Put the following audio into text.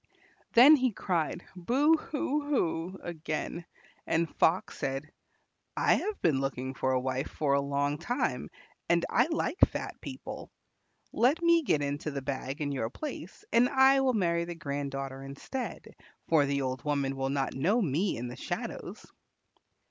Then he cried "Boo hoo hoo" again, and Fox said, "I have been looking for a wife for a long time, and I like fat people. Let me get into the bag in your place, and I will marry the grand daughter instead, for the old woman will not know me in the shadows."